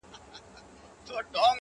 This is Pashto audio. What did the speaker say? ستا د قامت ستا لۀ وربله بلا